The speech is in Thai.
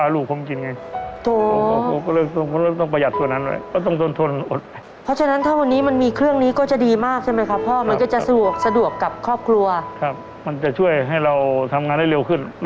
เราทำงานได้เร็วขึ้นรวดเร็วขึ้น